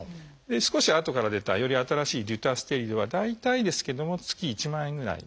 少しあとから出たより新しい「デュタステリド」は大体ですけども月１万円ぐらい。